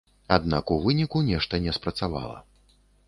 Аднак у выніку нешта не спрацавала.